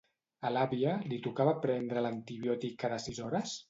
A l'àvia li tocava prendre l'antibiòtic cada sis hores?